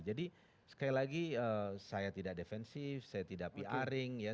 jadi sekali lagi saya tidak defensif saya tidak pr ing ya